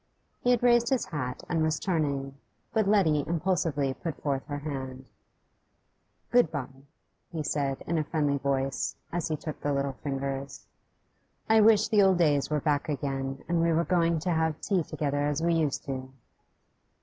He had raised his hat and was turning, but Letty impulsively put forth her hand. 'Good bye,' he said, in a friendly voice, as he took the little fingers. 'I wish the old days were back again, and we were going to have tea together as we used to.